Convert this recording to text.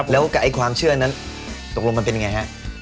แล้วความเชื่อนั้นตกลงมันเป็นยังไงฮะ